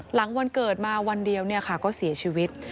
หลังวันเกิดมาวันเดียวก็เสียชีวิต